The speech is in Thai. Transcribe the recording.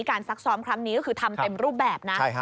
ซักซ้อมครั้งนี้ก็คือทำเต็มรูปแบบนะ